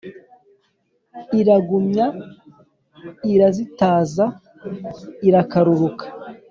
Iragumya irazitaza, irakaruruka